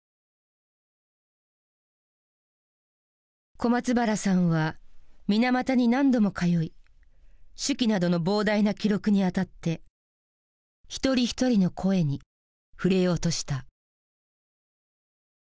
小松原さんは水俣に何度も通い手記などの膨大な記録にあたって一人一人の声に触れようとした。